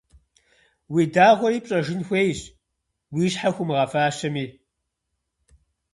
Уи дагъуэри пщӀэжын хуейщ, уи щхьэ хуумыгъэфащэми.